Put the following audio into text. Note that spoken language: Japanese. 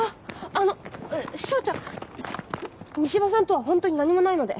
あの彰ちゃん三島さんとはホントに何もないので。